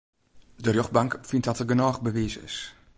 De rjochtbank fynt dat der genôch bewiis is.